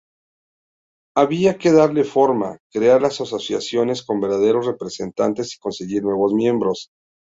Había que darle forma, crear las asociaciones con verdaderos representantes y conseguir nuevos miembros.